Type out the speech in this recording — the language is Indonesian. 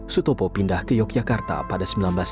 sutopo pindah ke yogyakarta pada seribu sembilan ratus sembilan puluh